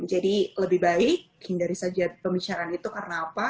jadi lebih baik hindari saja pembicaraan itu karena apa